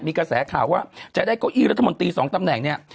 มีกระแสข่าวว่าจะได้เก้าอี้รัฐมนตรีสองตำแหน่งเนี่ย